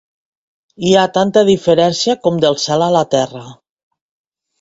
Hi ha tanta diferència com del cel a la terra.